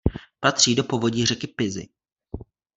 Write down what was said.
Patří do povodí řeky Pisy.